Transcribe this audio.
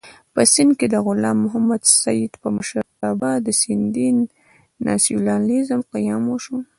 په سېند کې د غلام محمد سید په مشرتابه د سېندي ناسیونالېزم قیام وشو.